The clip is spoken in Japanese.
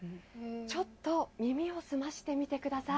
ちょっと耳を澄ましてみてください。